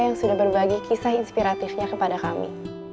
yang sudah berbagi kisah inspiratifnya kepada kami